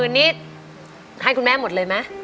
๔๐๐๐๐นิดให้คุณแม่หมดเลยไหม